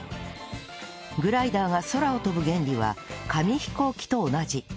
グライダーが空を飛ぶ原理は紙飛行機と同じ